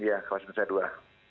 iya kawasan besar dua